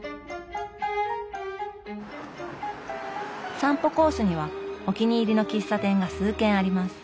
散歩コースにはお気に入りの喫茶店が数軒あります。